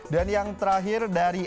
dan yang terakhir dari